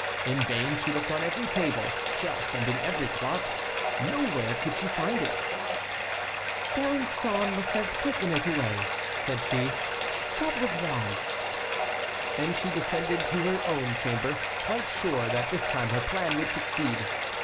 In vain she looked on every table, shelf, and in every closet; nowhere could she find it. "D'Alençon must have taken it away," said she, "that was wise." And she descended to her own chamber, quite sure this time that her plan would succeed.